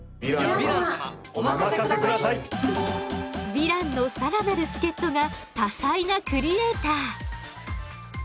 ヴィランの更なる助っとが多才なクリエーター。